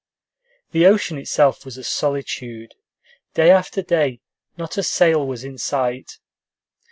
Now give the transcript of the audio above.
The ocean itself was a solitude. Day after day not a sail was in sight.